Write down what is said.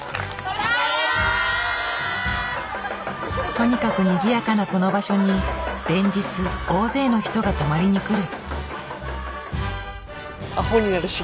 とにかくにぎやかなこの場所に連日大勢の人が泊まりに来る。